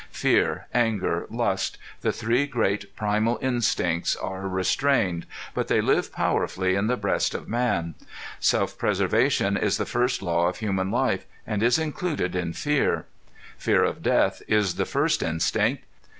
Fear, anger, lust, the three great primal instincts are restrained, but they live powerfully in the breast of man. Self preservation is the first law of human life, and is included in fear. Fear of death is the first instinct.